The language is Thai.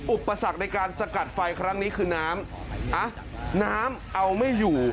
อุปสรรคในการสกัดไฟครั้งนี้คือน้ำอ่ะน้ำน้ำเอาไม่อยู่